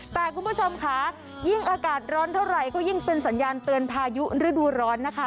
แต่คุณผู้ชมค่ะยิ่งอากาศร้อนเท่าไหร่ก็ยิ่งเป็นสัญญาณเตือนพายุฤดูร้อนนะคะ